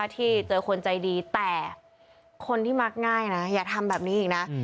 ที่เจอคนใจดีแต่คนที่มักง่ายนะอย่าทำแบบนี้อีกนะ